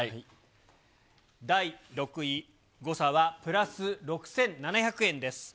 第６位、誤差はプラス６７００円です。